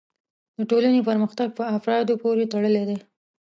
د ټولنې پرمختګ په افرادو پورې تړلی دی.